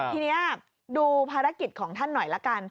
ทีนี้ดูภารกิจของท่านหน่อยละกัน